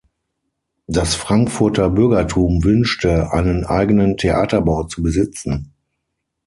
Das Frankfurter Bürgertum wünschte, einen eigenen Theaterbau zu besitzen.